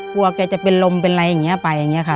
แกจะเป็นลมเป็นอะไรอย่างนี้ไปอย่างนี้ค่ะ